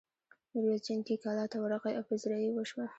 میرويس جنګي کلا ته ورغی او پذيرايي یې وشوه.